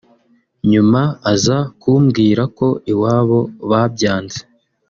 nyuma aza kumbwira ko iwabo babyanze